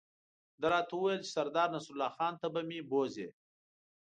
ده راته وویل چې سردار نصرالله خان ته به مې بوزي.